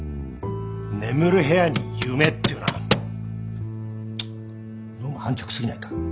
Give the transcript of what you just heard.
眠る部屋に「夢」っていうのはどうも安直すぎないか？